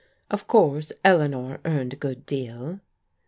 Of course Eleanor earned a good deal."